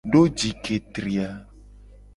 Do ji ke tri a.